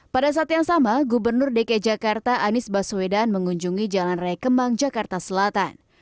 pada saat yang sama gubernur dki jakarta anies baswedan mengunjungi jalan raya kemang jakarta selatan